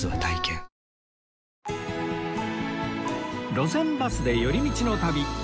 『路線バスで寄り道の旅』